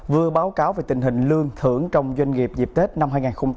vừa báo cáo về tình hình lương thưởng trong doanh nghiệp dịp tết năm hai nghìn hai mươi bốn